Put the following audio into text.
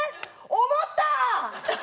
「思った！」。